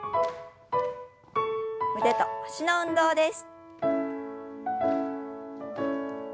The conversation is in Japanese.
腕と脚の運動です。